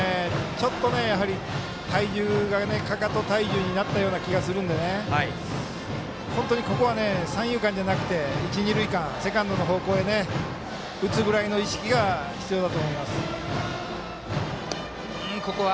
ちょっと、かかと体重になったようなきがするのでここは三遊間じゃなくて一、二塁間セカンドの方向へ打つぐらいの意識が必要だと思います。